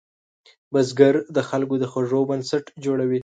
بزګر د خلکو د خوړو بنسټ جوړوي